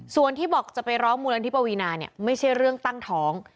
ส่วนที่บอกจะไปร้องมูลนิธิปวีนาเนี่ยไม่ใช่เรื่องตั้งท้อง